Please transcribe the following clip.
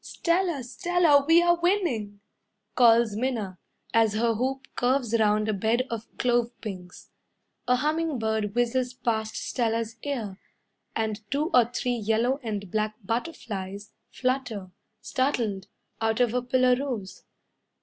"Stella, Stella, we are winning," calls Minna, As her hoop curves round a bed of clove pinks. A humming bird whizzes past Stella's ear, And two or three yellow and black butterflies Flutter, startled, out of a pillar rose.